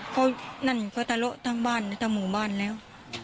เขาตะโระทั้งบ้านทั้งหมู่บ้านแล้ว